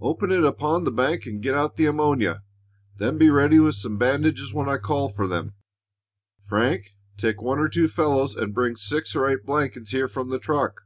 Open it upon the bank and get out the ammonia. Then be ready with some bandages when I call for them. Frank, take one or two fellows and bring six or eight blankets here from the truck."